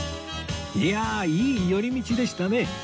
いやいい寄り道でしたね